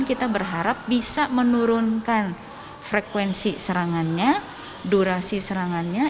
kita berharap bisa menurunkan frekuensi serangannya durasi serangannya